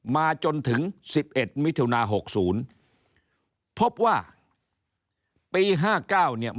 มาจนถึงสิบเอ็ดมิถุนาหกศูนย์พบว่าปีห้าเก้าเนี่ย